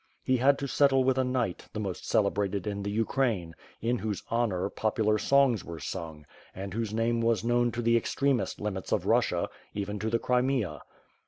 He had to settle with a knight, the most celebrated in the Ukraine, in whose honor popular songs were sung, and whose name was known to the extremest limits of Russia, even to the Crimea.